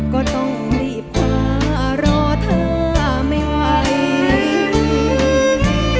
ก็ต้องรีบคว้ารอเธอไม่ไหว